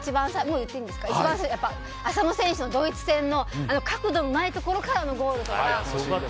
浅野選手のドイツ戦の角度のないところからのゴールとか。